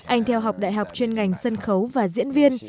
anh theo học đại học chuyên ngành sân khấu và diễn viên